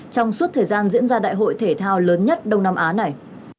trong suốt thời gian diễn ra đại hội thể thao lớn nhất đông nam á này